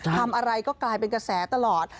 ทำอะไรก็กลายเป็นกระแสตลอด